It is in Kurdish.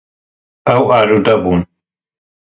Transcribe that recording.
Ew arode bûn.